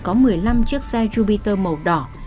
có một mươi năm chiếc xe jupiter màu đỏ